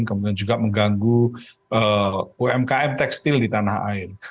kemudian juga mengganggu umkm tekstil di tanah air